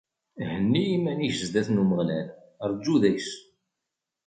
Henni iman-ik zdat n Umeɣlal, rǧu deg-s.